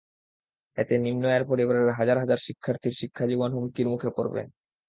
এতে নিম্নআয়ের পরিবারের হাজার হাজার শিক্ষার্থীর শিক্ষা জীবন হুমকির মুখে পড়বে।